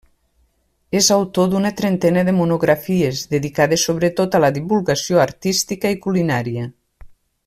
És autor d'una trentena de monografies, dedicades sobretot a la divulgació artística i culinària.